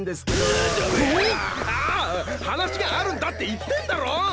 話があるんだって言ってんだろ！